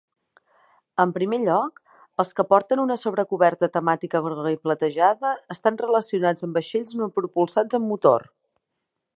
En primer lloc, els que porten una sobrecoberta temàtica groga i platejada estan relacionats amb vaixells "no propulsats amb motor".